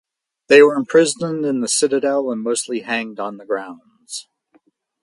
They were imprisoned in the citadel and mostly hanged on the grounds.